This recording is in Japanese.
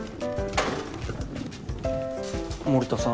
森田さん。